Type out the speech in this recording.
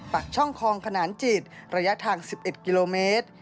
ปากช่องคลองขนานจิตระยะทาง๑๑กิโลเมตร